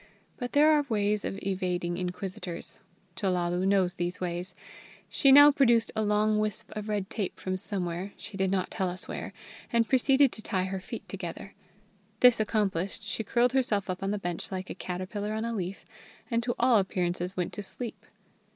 But there are ways of evading inquisitors. Chellalu knows these ways. She now produced a long wisp of red tape from somewhere she did not tell us where and proceeded to tie her feet together. This accomplished, she curled herself up on the bench like a caterpillar on a leaf, and to all appearances went to sleep.